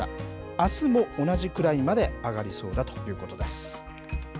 あすも同じくらいまで上がりそうだということです。